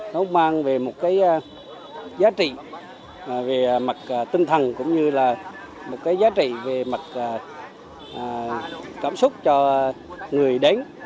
nó mang về một cái giá trị về mặt tinh thần cũng như là một cái giá trị về mặt cảm xúc cho người đến